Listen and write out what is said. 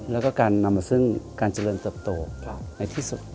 แล้วก็การนำมาซึ่งการเจริญเติบโตในที่สุด